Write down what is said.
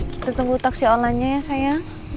kita tunggu taksi olahnya ya sayang